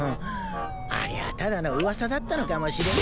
ありゃただのうわさだったのかもしれね。